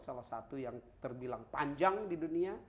salah satu yang terbilang panjang di dunia